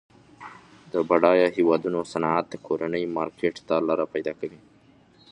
د بډایه هیوادونو صنعت د کورني مارکیټ ته لار پیداکوي.